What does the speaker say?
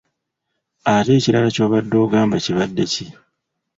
Ate ekirala kyobadde ogamba kibadde ki.